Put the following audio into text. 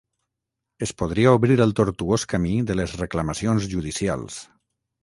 es podria obrir el tortuós camí de les reclamacions judicials